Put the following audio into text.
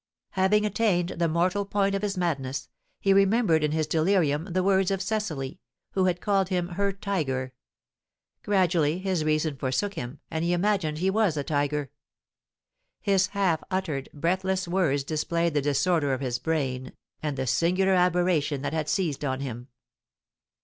Having attained the mortal point of his madness, he remembered in his delirium the words of Cecily, who had called him her tiger; gradually his reason forsook him, and he imagined he was a tiger. His half uttered, breathless words displayed the disorder of his brain, and the singular aberration that had seized on him.